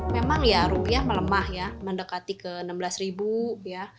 memang ya rupiah melemah ya mendekati ke enam belas ribu ya